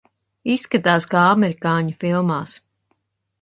Izskatās, kā amerikāņu filmās.